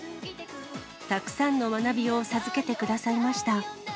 たくさんの学びを授けてくださいました。